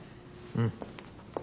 うん。